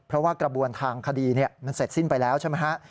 เพราะว่ากระบวนทางคดีมันเสร็จสิ้นไปแล้วใช่ไหมฮะ